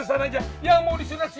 gawat ya pantesan aja